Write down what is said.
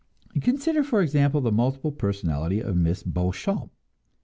Consider, for example, the multiple personality of Miss Beauchamp.